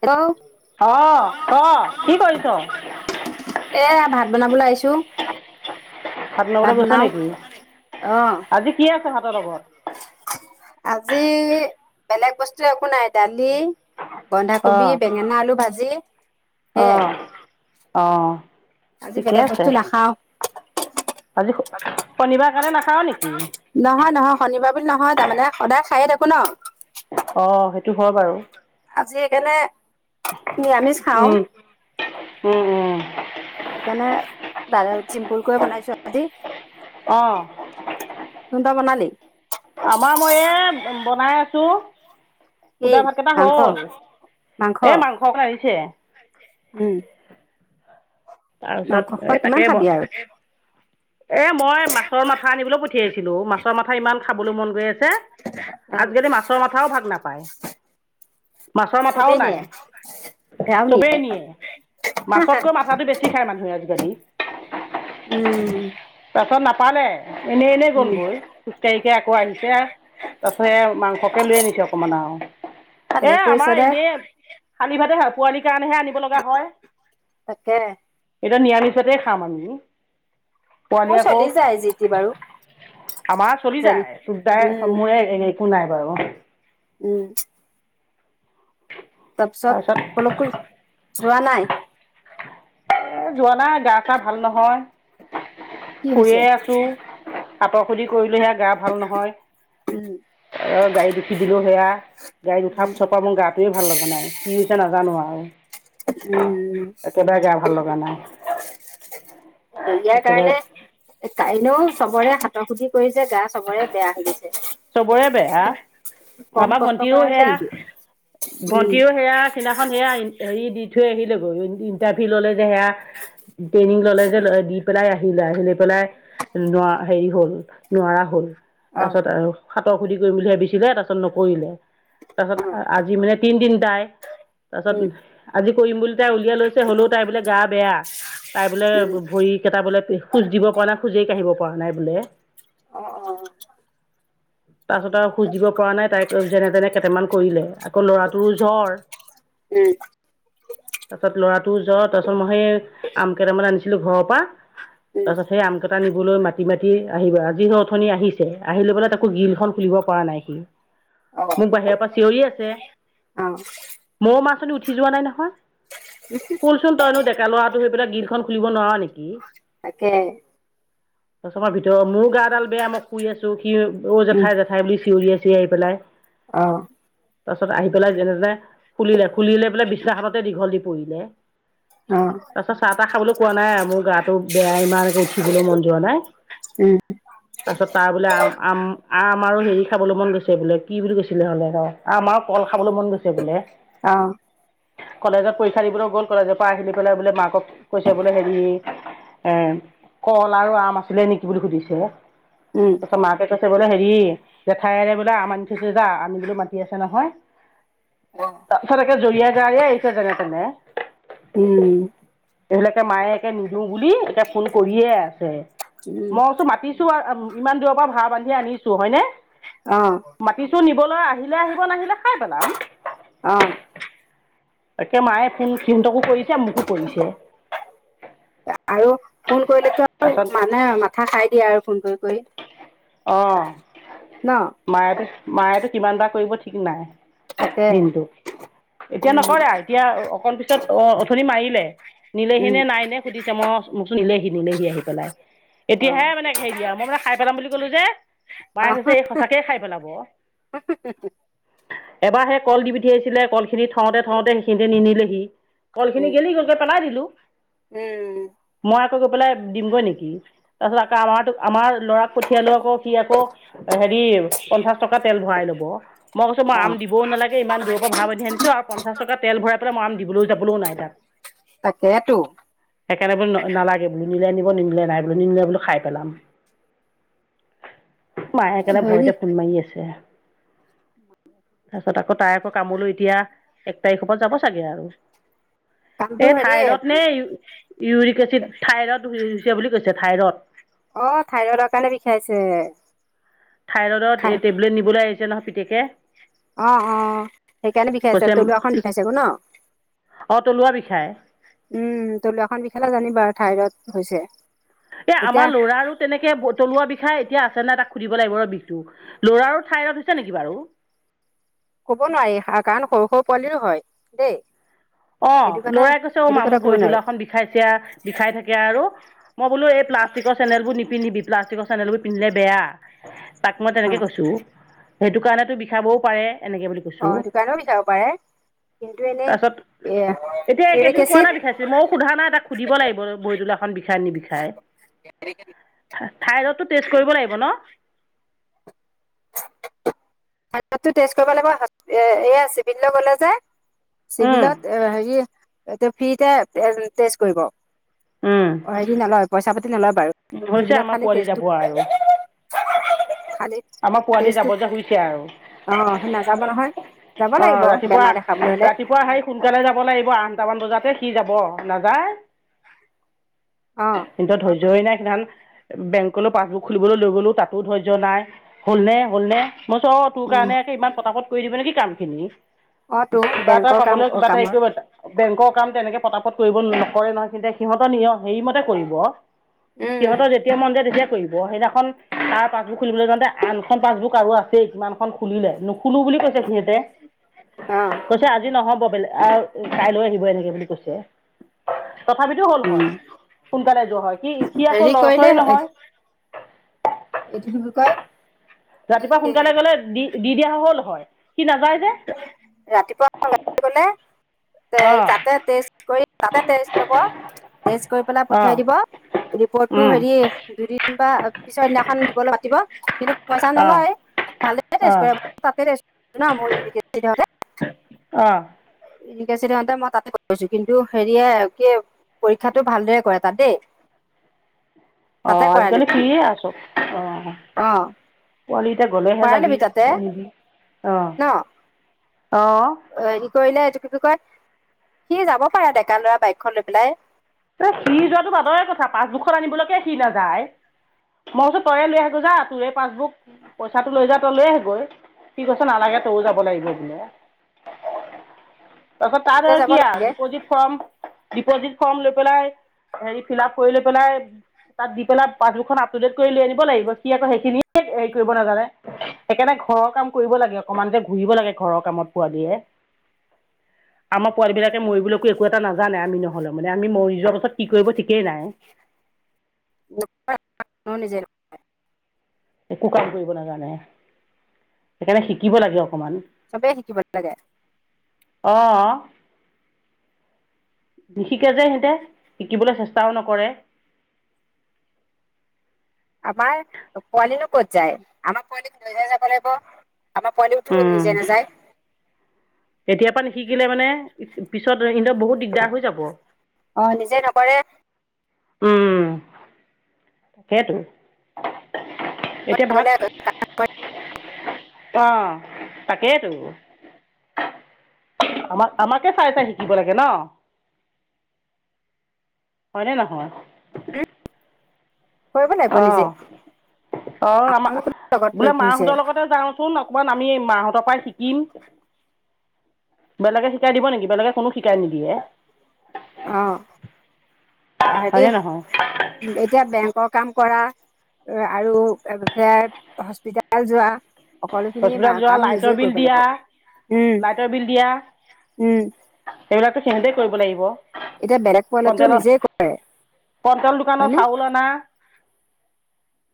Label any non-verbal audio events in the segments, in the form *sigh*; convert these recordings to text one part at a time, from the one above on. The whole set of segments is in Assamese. হেল্ল' অ ক কি কৰিছ এ ভাত বনাবলৈ আহিছো সাত নগতে ভাত গৈছ বনাও। নেকি অ'। আজি কি আছে সাত নগৰত আজি বেলেগ বস্তু একো নাই দালি বন্ধাকবি অঁ বেঙেনা আলু ভাজি সেইয়াই অঁ অঁ আজি ঠিকে বেলেগ আছে বস্তু নাখাও আজি শনিবাৰ কাৰণে নাখাও নেকি নহয় নহয় শনিবাৰ বুলি নহয় তাৰমানে সদায় খায়ে থাকো ন অ সেইটো হয় বাৰু আজি এইকাৰনে নিৰামিষ খাও সেইকাৰণে দাদা চিম্পুুল কৈ বনাইছো আধি অ বনালি আমাৰ মইয় বনাই আছো কি সুদা ভাত কেইটা মাংস হল এ মাংস আনিছে উম। তাৰ পিছত মাংস সোপা এ কিমান তাকে ব খাবি আৰু এ মই মাছৰ মাথা আনিবলৈ পঠিয়াইছিলোঁ মাছৰ মাথা ইমান খাবলৈ মন গৈ আছে। অ আজিকালি মাছৰ মাথাও ভাগ নাপায় মাছৰ মাথাও চবেই নাই নিয়ে চবেই নিয়ে মাছতকৈ মাথাটো বেছি নিয়ে আজিকালি। উম'। নাপালে এনেই এনেই গল উম গৈ খোজকাঢ়ি কাঢ়ি আকৌ আহিছে তাৰপাছত এয়া মাংসকে লৈ আনিছে অকমান আৰু এ ভালেই আমাৰ কৰিছে দে এনে খালি ভাতে খাওঁ। পোৱালিৰ কাৰণেহে আনিব লগা হয়। তাকে এতিয়া নিৰামিষ ভাতে খাম আমি। পোৱালি মোৰ আকৌ চলি যায় যিতি বাৰু। আমাৰ চলি যেন যায় উম মোৰে একো নাই বাৰু। উম'। তাৰপিছত ক'লৈকো যোৱা নাই? এ যোৱা নাই গা চা ভাল নহয়। কি শুইয়ে হৈছে আছো। সাতৰ সুধি কৰিলোঁ সেয়া গা ভাল নহয়। উম অ গাড়ীত উঠি দিলো সেয়া গাড়ীত উঠা উম পিছৰপা মোৰ গাটোয়ে ভাল লগা নাই কি হৈছে নাজানো আৰু। উম'। একেবাৰে গা ভাল লগা নাই হেৰিয়াৰ একেবাৰে কাৰণে তাই নো চবৰে চবৰে বেয়া কম আমাৰ কষ্ট ভন্টিও কৰা হৈছে সেয়া নেকি উম ভন্টিও সেয়া সিদিনাখন এয়া হেৰি দি থৈ আহিলে গৈ ইণ্টাৰভিউ ললে যে সেয়া ট্ৰেইনিং ললে যে দি পেলাই আহিলে। পেলাই নোৱা হেৰি হ'ল নোৱাৰা হল অ তাৰ পাছত অ আৰু সাতৰ সুধি কৰিম বুলি ভাবিছিলে তাৰপিছত নকৰিলে তাৰপিছত উম আজি মানে তিন দিন তাইৰ তাৰপাছত আজি কৰিম বুলি তাই উলিয়াই লৈছে হলেও তাই বোলে গা বেয়া। তাই বোলে উম ভৰি কেইটা বোলে খোজ দিব পৰা নাই খোজেই কাঢ়িব পৰা নাই বোলে। অ অ। তাৰপাছত আৰু খোজ দিব পৰা নাই তাইক যেনে তেনে কেইটামান কৰিলে আকৌ ল'ৰাটোৰো জ্বৰ। উম। তাৰপাছত লৰাটো জ্বৰ তাৰপাছত মই সেই আম কেইটামান আনিছি -ছিলো ঘৰৰ পৰা উম তাৰপাছত সেই আম কেইটা নিবলৈ মাতি মাতি আহিব অঠনি আহিছে আহি লৈ পেলাই তাৰ গ্ৰিল খন খুলিব পৰা নাই সি অ মোক বাহিৰৰ পৰা চিঞৰি আছে। অ মইও মাত উঠি যোৱা নাই নহয়। খোলচোন তইনো ডেকা ল'ৰাটো হৈ পেলাই গ্ৰিলখন খুলিব নোৱাৰ নিকি। *unintelligible* তাৰপিছত মই ভিতৰত মোৰো গা ডাল বেয়া মই শুই আছো সি অ' উম জেঠাই জেঠাই বুলি চিঞৰি আছেহি আহি পেলাই। অ তাৰ পাছত আহি পেলাই যেনে তেনে খুলিলে খুলি লৈ পেলাই বিছনাখনতে দীঘল দি পৰিলে অ তাৰ পাছত চাহ তাহ খাবলৈ কোৱা নাই আৰু মোৰ গাটো বেয়া ইমানে উঠিবলৈ মন যোৱা নাই। উম তাৰপিছত তাৰ বোলে আম আম আম আৰু হেৰি খাবলৈ মন গৈছে বোলে কি বুলি কৈছিলে হলে হয় আম আৰু কল খাবলৈ মন গৈছে বোলে। অ কলেজত পৰীক্ষা দিবলৈ গ'ল কলেজৰ পৰা আহি লৈ পেলাই বোলে মাকক কৈছে বোলে হেৰি উম', কল আৰু আম আছিলে নিকি বুলি সুধিছে উম তাৰপিছত মাকে কৈছে বোলে হেৰি জেঠাইৰে বোলে আম আনি থৈছে যা আনিবলৈ মাতি আছে নহয়। অ উম *unintelligible* এইহিলাকে মায়ে একে নিদিওঁ বুলি এয়া ফোন কৰিয়ে আছে উম, মইচো মাতিছো ইমান দূৰৰ পৰা ভা ব্ধধি আনিছোঁ হয়নে অ, মাটিচো নিবলৈ আহিলে আহিব নাহিলে খাই পেলাম। অঁ তাকে মায়ে ফোন সিহঁতকো কৰিছে মোকো কৰিছে। আৰু ফোন কৰিলেতো আৰু তাৰপিছত মানে মাথা খাই দিয়ে আৰু ফোন কৰি। কৰি অ ন? মায়ো মায়েতো কিমান বাৰ কৰিব ঠিক নাই। তাকে দিনটো এতিয়া উম, নকৰে আও এতিয়া অকণ পিছত অ অথনি মাৰিলে। নিলেহি উম, নে নাই নিয়া সুধিছে মই মোকো নিলেহি নিলেহি আহি পেলাই অ, এতিয়াহে মানে হেৰি দিয়া আৰু মই মানে খাই পেলাম বুলি ক'লো যে, অ, মায়ে হৈছে এই সঁচাকে খাই পেলাব। এবাৰ সে কল দি পঠিয়াইছিলে কলখিনি থওঁতে থওঁতে সেইখিনিতে নিনিলেহি কলখিনি উম, গেলি গলগে তাপা পেলাই দিলো। উম, মই আকৌ গৈ পেলাই দিমগৈ নেকি, তাৰপিছত আকৌ আমাৰো আমাৰ লৰাক পঠিয়ালো আকৌ সি আকৌ হেৰি পঞ্চাশ টকা তেল ভৰাই লব মই কৈছো মই অ, আম দি দিবও নালাগে ইমান দূৰৰ পৰা ভা বান্ধি আনিছোঁ আৰু পঞ্চাশ টকা তেল ভৰাই পেলাই মই আম দিবলৈ যাবলৈও নাই তাক তাকেইটো। সেইকাৰণে বোলো নালাগে বোলে নিলে নিব নিনিলে নাই বোলো নিনিলে বোলো খাই পেলাম। মায়ে সেইকাৰণে হেৰি ভয়তে ফোন মাৰি আছে। তাৰপাছত আকৌ তাই আকৌ কামলৈ এতিয়া এক তাৰিখৰ পৰা যাব চাগে আৰু কামটো এই হেৰি থাইৰড নে ই ইউৰিক এচিড থাইৰড *unintelligible* বুলি কৈছে। থাইৰড অঁ থাইৰইডৰ কাৰণে বিষাইছে। থাইৰইডত এই টেবলেট নিবলৈ আহিছে নহয় পিতেকে। অঁ অঁ সেইকাৰণে বিষাইছে কৈছে তলুৱাখন বিষাইছে গো ন। অঁ তলুৱা বিষাই উম তলুৱাখন বিষালে জানিব আৰু থাইৰয়ড হৈছে। এ এতিয়া আমাৰ লৰাৰো তেনেকে তলুৱা বিষায় এতিয়া আ নাই তাক সুধিব লাগিব ৰ বিষটো লৰাৰো থাইৰয়ড হৈছে নেকি বাৰু। ক'ব নোৱাৰি কাৰণ সৰু সৰু পোৱালিৰো হয়, দেই। অঁ সেইটো কথা লৰাই কৈছে অ সেইটো মাম কথা মোৰ ক'ব নোৱাৰি ভৰিতলুৱাখন বিষাইছে বিষাই থাকে আৰু। মই বোলো এই প্লাষ্টিক চেন্দেলবোৰ নিপিন্ধিবি প্লাষ্টিকৰ চেন্দেলবোৰ পিন্ধিলে বেয়া। তাক মই অ, তেনেকৈ কৈছোঁ, সেইটো কাৰণেটো বিষাবও পাৰে। এনেকে বুলি অ কৈছো, দোকানো বিচাৰিব পাৰে কিন্তু এনেই তাৰপিছত এ এতিয়া ইউৰিক একেদিন কোৱা নাই এচিডটো বিষাইছে ময়ো সোধা নাই তাক সুধিব লাগিব ভৰি তলুৱাখন বিষাই নে বিষাই। থাইৰডটো টেষ্ট কৰিব লাগিব ন? থাইৰয়ডটো টেষ্ট কৰিব লাগিব এয়া চিভিল গলে যে, উম, চিভিলত হেৰি এ ফ্ৰীতে, টেষ্ট কৰিব। উম, অ হেৰি নলয় পইচা পাতি নলয় বাৰু হৈছে চিভিলত আমাৰ খালি পোৱালি টেষ্টটো যাব আৰু খালি আমাৰ পোৱালি যাব টেষ্টটো, যে হৈছে আৰু অঁ সেই নাযাব নহয়। যাব অ লাগিব ৰাতিপুৱা, বেমাৰ দেখাবলৈ হলে ৰাতিপুৱা হেই সোনকালে যাব লাগিব আন টামান বজাতে সি যাব, নাযায় অ কিন্তু ধৰি ধৈৰ্য নাই *unintelligible* বেংকলৈ পাছবুক খুলিবলৈ লৈ গ'লো তাতো ধৈৰ্য নাই হ'লনে হ'লনে। মই কইছো অঁ তোৰ উম কাৰণে ইমান পতাপট কৰি দিব নেকি কামখিনি। অ তো কিবা এটা বেংকৰ কাম পাবলৈ কিবা এটা হেৰি কামৰ কৰিব এ বেংকৰ কাম তেনেকে পতাপত কৰিব নকৰে নহয় কিন্তু সিহঁতৰ নিজৰ হেৰিমতে কৰিব। উম সিহঁতৰ যেতিয়া মন যায় তেতিয়া কৰিব সেইদিনাখন তা পাছবুক খুলিবলে যাওঁতে আনখন পাছবুক আৰু আছে কিমান খুলিলে নুখুলো বুলি কৈছে সিহঁতে, অ কৈছে আজি নহ'ব বেলে আহ কাইলৈ আহিব এনেকে বুলি কৈছে। তথাপিতো হ'ল উম হয় সোনকালে যোৱা হয় কি সি আকৌ হেৰি কৰিলে লৰচই নহয়। এইটো *unintelligible* এই ৰাতিপুৱা সোনকালে গলে, দি দি দিয়া হ'লে হ'ল হয়। সি নাযায় যে ৰাতিপুৱা সোনকালে গলে তে অঁ তাতে তেজ কৰি, তাতে তেজ ল'ব টেষ্ট কৰি পেলাই পঠিয় অঁ দিব। ৰিপৰ্ট অঁ হেৰি দুদিন বা পিছৰ দিনাখন দিবলৈ পাতিব। কিন্তু পইচা নলয়। ভালে টেষ্ট অঁ কৰে তাতে টেষ্ট ন মই *inaudible* অঁ ঠিক আছে। তাতে মই তাতে কৰিছো কিন্তু হেৰিয়ে কি পৰীক্ষাতটো ভালদৰে কৰে তাত দেই আহ, আজিকালি ফ্ৰী এ আছোঁ। আহ, এতিয়া গলেহে যাবি। অ, অ, হেৰি কৰিলে। এইটো কি কয় সি যাব পাৰো ডেকা লৰা বাইকখন লৈ পেলাই। এই কি নাযায়। মই কৈছো। তই লৈ আহগৈ যা তোৰে পাছবুক পইচাটো লৈ যা তই লৈ আহা গৈ সি কৈছে নালাগে তই যাব লাগিব। এনে তাৰপাছত তাত আৰু নিজে যাব কি আৰু নালাগে ডিপজিট ফৰ্ম ডিপজিট ফৰ্ম লৈ পেলাই হেৰি ফিল আপ কৰি লৈ পেলাই। তাত দি পেলাই পাছবুকখন আপটুডেট কৰি লৈ আনিব লাগিব কি আকৌ সেইখিনিয়ে হেৰি কৰিব নাজানে। ঘৰৰ কাম কৰিব লাগে অকনমান যে ঘূৰিব লাগে ঘৰৰ কামত পোৱ দিয়ে। আমাৰ পোৱালী বিলাকে মৰিবলৈকো একো এটা নাজানে আমি নহলে মানে। আমি মৰি যোৱাৰ পাছত কি কৰিব ঠিকেই নাই। গ নিজেই একো কাম কৰিব নাজানে। সেইকাৰণে শিকিব লাগে। অকমান। চবেই শিকিব লাগে অ। বিশেষযে সিহঁতে, শিকিবলৈ চেষ্টাও নকৰে। *inaudible* আমাৰ পোৱালি নো ক'ত যায়। আমাৰ পোৱালি লৈ যাই যাব লাগিব। আমাক পোৱালিবোৰটো উম, নিজে নাযায়। এতিয়াৰ পৰা নিশিকিলে মানে পিছত বহুত দিগদাৰ হৈ যাব। অ, নিজেই নকৰে। উম, তাকেইটো। এতিয়া ভাত গলে আহ, তাকেইটো আমাক- আমাকে চাই- চাই শিকিব লাগে ন। হয়নে নহয়? কৰিব লাগিব নিজে। অ, আমাৰ লগত লৈ বোলে ফুৰিছে মাহঁতৰ লগতে যাওচোন অকবমান আমি মাহঁতৰ পৰাই শিকিম। বেলেগে শিকাই দিব নেকি, বেলেগে কোনো শিকাই নিদিয়ে। আহ, বা হয় দেই হয়নে নহয় এতিয়া বেংক কাম কৰা আৰু ফ হস্পিতাল যোৱা। সকলোখিনি হস্পিটেল যোৱা কাম লাইটৰ নিজে বিল কৰিব দিয়া লাগিব। উম। লাইটৰ বিল দিয়া উম, সেইবিলাকতো সিহঁতেই কৰিব লাগিব এতিয়া বেলেগ পোৱালীয়েটো নিজে কৰে। কটল দোকানৰ চাউল অনা,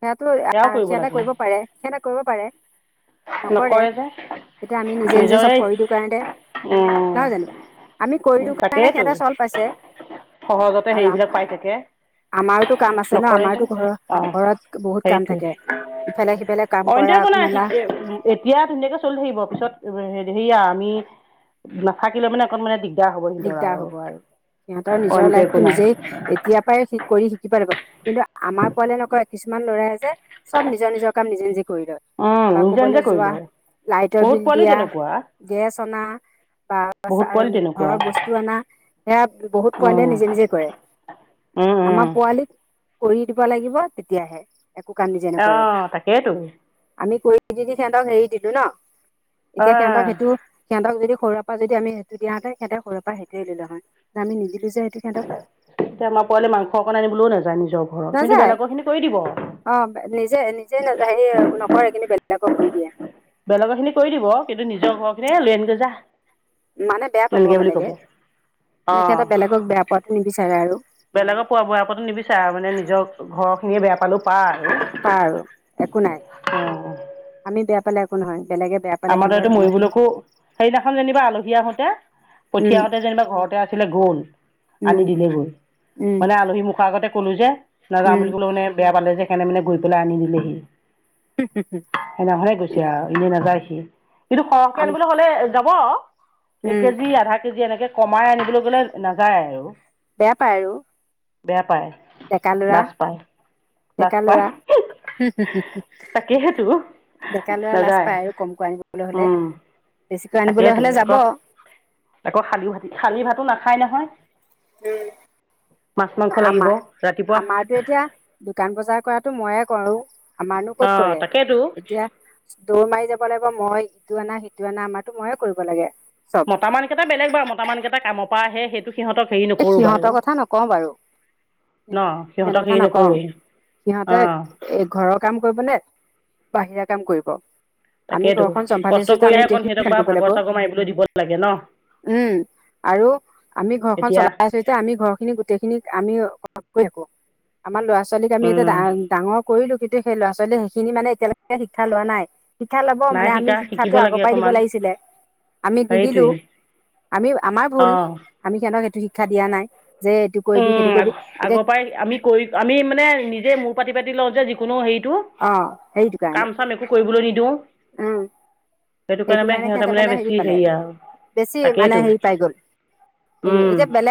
সেইয়াটো সেয়াও সিহতে এটা লাগে কৰিব পাৰে। সেয়া এটা কৰিব পাৰে। নকৰে। তেতিয়া আমি নিজে- নিজে চব নিজৰে কৰি দিওঁ কাৰণতে নহয় জানো? উম আমি কৰি দিও কাৰণে তাকেইতো সিহঁতে চল পাইছে। সহজতে আৰু হেৰিবিলাক পাই থাকে আমাৰোটো কাম আছে ন। নকৰে যে আমাৰটো ঘৰৰ অ ঘৰত বহুত কাম সেইটোৱে থাকে ইফালে সিফালে কাম অইনটো কৰা একো নাই মেলা এতিয়া ধুনীয়াকে চলি থাকিব পিছত সেয়া আমি নাথাকিলে মানে অকনমানানে দি দিগদাৰ হব আৰু সিহঁতৰ নিজৰ অইনটো একো লাইফটো নাই নিজেই এতিয়াৰ পৰাই শ কৰি শ কিবা লাগিব কিন্তু আমাৰ পোৱালে নকয় কিছুমান ল'ৰাই যে চব নিজৰ নিজৰ কাম নিজে নিজে কৰি লয় উম বা নিজে নিজে ক'বলৈ কৰি যোৱা লয় লাইটৰ বহুত বিল পোৱালি দিয়া তেনেকুৱা গেছ অনা বছ বহুত পোৱালি আহ তেনেকুৱা ঘৰৰ বস্তু অনা সেয়া বহুত পোৱালিয়ে উম নিজে নিজে কৰে উম উম আমাৰ পোৱালী কৰি দিব লাগিব তেতিয়াহে একো কাম নিজে নক অ তাকেইতো আমি কৰি স সিহঁতক হেৰি দিলো ন অ এতিয়া সিহঁতক সেইটো সিহঁক যদি সৰে পৰা যদিমি সেইটো দাঁতে সহতে সৰেৰ পৰা সটোৱ ল হয় আমি নিজে য সহঁতি সহঁতক এতিয়া আমাৰ পোৱালি মাংস অকণ আনিবলৈও নাযায় নিজৰ ঘৰত কিন্তু নাযায় বেলেগৰ খিনি কৰি দিব অ নিজে নিজে সে নকৰে কিন্তু বেলেগক কৰি দিয়া বেলেগৰ খিনি কৰি দিব কিন্তু নিজৰ ঘৰৰ খিনিে লৈ আনকৈ যা মানে বেয়া পাব এনেকে বুলি ক'ব বেলেগে মানে অ সহটা বেলেগক বেয়া পোৱাতো নিবিচাৰে আৰু বেলেগৰ পোৱা বোৱাৰ আাকো নিবিচাৰ মানে নিজৰ ঘৰ খিনিয়ে বেয়া পালো পায় আৰু পা আৰু একো নাই আমি বেয়া পালে একো নহয় বেলেগে বেয়া পালে আমাৰ ত সিহঁতৰ এইটো মৰিবুলকো সেইদিনাখন যেনিবা আলহী আহোতে উম পঠিয়াোঁতে যেনিবা ঘৰতে আছিলে গ'ল আনি উম দিলে গৈ উম মানে আলহী মুখৰ আগতে কলো যে নাযাাম উম বুলি ক'লে মানে বেয়া পালে যে কেনে মেনে গৈ পেলাই আনি দিলেহি সেইদিনাখনে গৈছে আৰু এনে নাযায় সি কিন্তু সৰহকে আনিবলৈ হ'লে যাব এক উম কেজি আধা কেজি এনেকে কমাই আনিবলৈ গলে নাযায় আৰু বেয়া পাই আৰু বেয়া পায় ডেকা লৰা লাজ পায় লাজ ডেকা পায় লৰা তাকেইেতো ডেকা লৰা লাজ নাযায় পায় আৰু কম ক আনিবলৈ হ'লে উম বেছিকৈ আনিবলৈ তাকেইেতো হ'লে যাব আকৌ আকৌ খালি ভতিি শালি ভাতো নাখায় নহয় উম মাছ মাংস লাগিব আমাৰ ৰাতিপুৱা আমাৰতো এতিয়া দোকান বজাৰ কৰাতটো মই কৰো আমাৰনো অ কত কৰে তাকেইতো এতিয়া দৌৰ মাৰি যাব লাগিব মই সেইটো অনা সিটো অনা আমাৰতো ময়ে কৰিব লাগে চব মতা মান কেইটা বেলেগ বাৰু মতা মান কেইটা কামৰ পৰা আহে সেইটো সিহঁতক হেৰি এই নকৰোঁ বাৰু সিহঁতৰ কথা নকওঁ বাৰু ন সিহঁতৰ সিহঁতক কথা হেৰি নকওঁ নকৰোঁ অ সিহঁতে এ ঘৰৰ কাম কৰিবনে বাহিৰা কাম কৰিব আমি তাকেইতো ঘৰখন কষ্ট চম্ভালিছোো কৰিয়ে আমি অকণ গখিনি সিহঁতক বাৰু সান্িব লাগিব ভাগৰ চাগৰ মাৰিবলৈ দিব লাগে ন উম আৰু আমি ঘৰ খন এতিয়া চলাই আছো এতিয়া আমি ঘৰ খিনি গোটেই খিনিক আমি থাকো আমাৰ ল'ৰাাল ল'ৰা ছোৱালীক আমি এতিয়া উম ডাঙৰ কৰিলো কিন্তু সেই ল'ৰা ছোৱালীয়ে সেইখিনি মানে এতিয়ালৈকে শিক্ষা লোৱা নাই শিক্ষা লব নাই মানে আমি শিকা শিকিব শিক্ষাটো লাগে আগৰ পৰাই দিব অকমান লাগিছিলে আমি নিদিলো সেইটোৱে আমি আমাৰ ভুল অ আমি কেনক সেইটো শিক্ষা দিয়া নাই যে এইটো কৰিবি সেইটো উম কৰিবি এতিয়া আগৰ পৰাই আমি কৰি আমি মানে নিজে মোৰ পাতি পাতি লওঁ যে যিকোনো হেৰি অ কাম চাম একো কৰিবলৈ নিদিওঁ আহ সেইটো কাৰণে মানে সিহঁত মানে বেছি হেৰিয়া আৰু বেছি মানে হেৰি পাই গ'ল তাকেইতো সেইটো উম এতিয়া বেলেগ